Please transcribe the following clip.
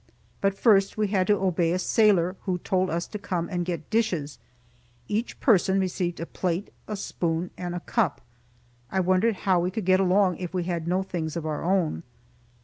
But first we had to obey a sailor, who told us to come and get dishes. Each person received a plate, a spoon and a cup. I wondered how we could get along if we had had no things of our own.